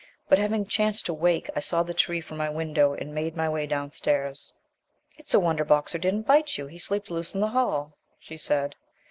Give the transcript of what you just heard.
"But, having chanced to wake, I saw the tree from my window, and made my way downstairs." "It's a wonder Boxer didn't bit you; he sleeps loose in the hall," she said.